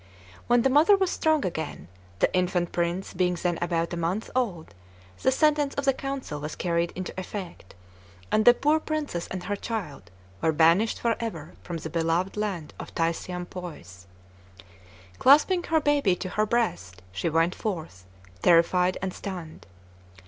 When the mother was strong again, the infant prince being then about a month old, the sentence of the council was carried into effect, and the poor princess and her child were banished forever from the beloved land of Thaisiampois. Clasping her baby to her breast, she went forth, terrified and stunned.